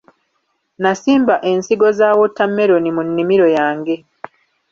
Nasimba ensigo za wootammeroni mu nnimiro yange.